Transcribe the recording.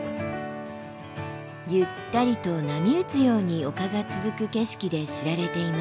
ゆったりと波打つように丘が続く景色で知られています。